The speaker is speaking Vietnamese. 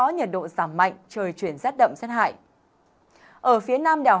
nhiệt độ thấp nhất là từ một mươi năm một mươi tám độ và cao nhất là từ hai mươi bảy ba mươi độ